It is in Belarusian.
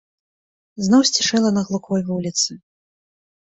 Зноў сцішэла на глухой вуліцы.